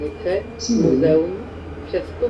Seg melmi?